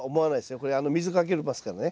これ水かけますからね。